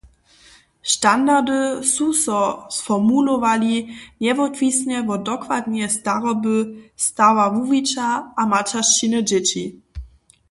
Standardy su so sformulowali njewotwisnje wot dokładneje staroby, stawa wuwića a maćeršćiny dźěći.